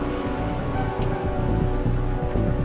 masa masa ini udah berubah